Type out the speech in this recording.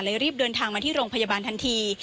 รีบเดินทางมาที่โรงพยาบาลทันที